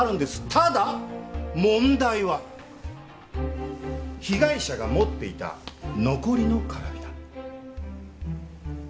ただ問題は被害者が持っていた残りのカラビナ。